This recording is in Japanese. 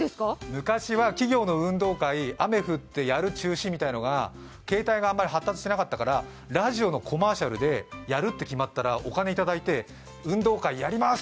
昔は企業の運動会、雨降ってやる、中止みたいなのが携帯があんまり発達してなかったからラジオのコマーシャルで、やるって決まったらお金いただいて運動会やります！